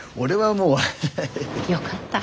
よかった。